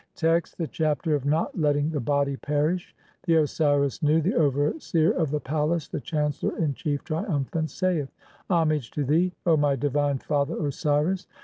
Text : (1) THE CHAPTER OF NOT LETTING THE BODY PERISH. The Osiris Nu, the overseer of the palace, the chancellor in chief, triumphant, saith :— (2) "Homage to thee, O my divine father Osiris.